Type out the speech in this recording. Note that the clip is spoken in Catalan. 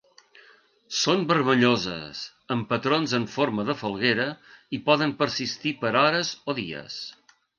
Són vermelloses, amb patrons en forma de falguera, i poden persistir per hores o dies.